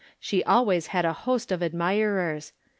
She always had a host of admirers.